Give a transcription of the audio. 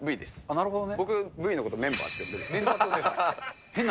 なるほどね。